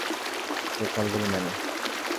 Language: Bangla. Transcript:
এই ফলগুলো নেন।